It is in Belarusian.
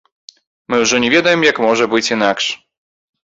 Мы ўжо не ведаем, як можа быць інакш.